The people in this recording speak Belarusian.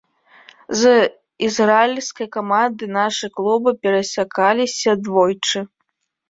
З ізраільскай камандай нашы клубы перасякаліся двойчы.